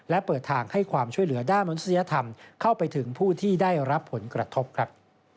และเปิดทางให้ความช่วยเหลือด้านมนุษยธรรมเข้าไปถึงผู้ที่ได้รับผลกระทบครับ